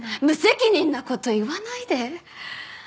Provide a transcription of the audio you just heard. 無責任な事言わないで！